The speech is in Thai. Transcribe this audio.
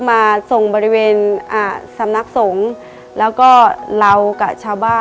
ในแคมเปญพิเศษเกมต่อชีวิตโรงเรียนของหนู